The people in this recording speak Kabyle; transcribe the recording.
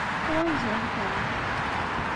Tɣunzam-tent?